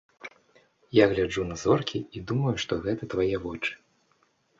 Я гляджу на зоркі і думаю, што гэта твае вочы.